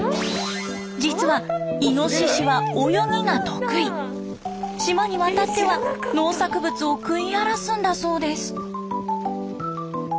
実は島に渡っては農作物を食い荒らすんだそうです。